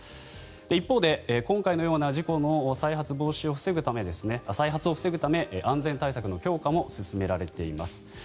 一方で、今回のような事故の再発を防ぐため安全対策の強化も進められています。